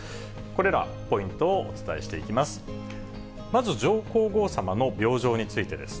これらポイントをお伝えしていきます。